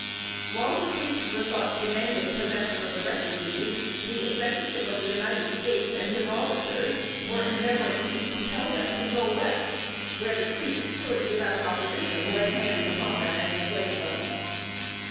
While the Creeks were thus demanding possession of the refugees, the Executive of the United States and his officers were endeavoring to compel them to go West, where the Creeks could, without opposition, lay hands upon them and enslave them.